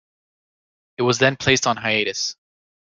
It was then placed on hiatus.